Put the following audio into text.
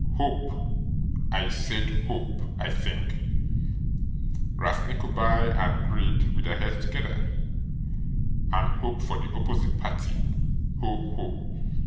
Hope! I SAID hope, I think! Ralph Nickleby and Gride with their heads together! And hope for the opposite party! Ho! ho!